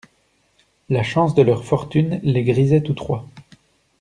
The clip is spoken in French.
La chance de leur fortune les grisait tous trois.